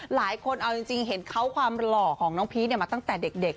หลายคนเอาจริงเห็นเขาความหล่อของน้องพีชมาตั้งแต่เด็ก